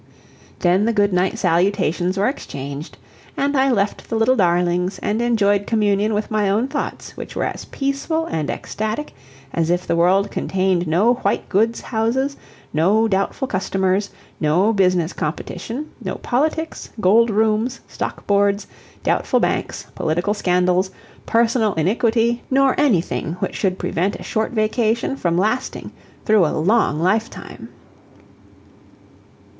Then the good night salutations were exchanged, and I left the little darlings and enjoyed communion with my own thoughts which were as peaceful and ecstatic as if the world contained no white goods houses, no doubtful customers, no business competition, no politics, gold rooms, stock boards, doubtful banks, political scandals, personal iniquity, nor anything which should prevent a short vacation from lasting through a long lifetime.